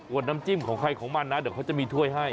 น้ำจิ้มของใครของมันนะเดี๋ยวเขาจะมีถ้วยให้